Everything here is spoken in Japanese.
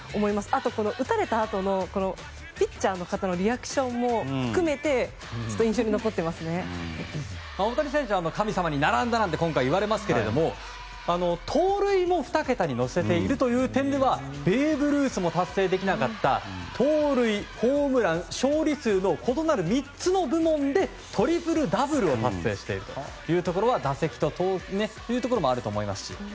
あと、打たれたあとのピッチャーの方のリアクションも含めて大谷選手は神様に並んだと今回言われますけど盗塁も２桁に乗せているという点ではベーブ・ルースも達成できなかった盗塁、ホームラン勝利数の異なる３つの部門でトリプルダブルを達成しているというところもあると思います。